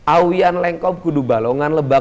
awian lengkop kudu balongan lebak